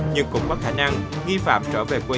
nhưng cũng có khả năng nghi phạm trở về nhà trọ